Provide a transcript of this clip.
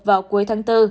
vào cuối tháng bốn